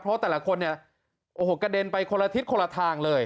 เพราะแต่ละคนเนี่ยโอ้โหกระเด็นไปคนละทิศคนละทางเลย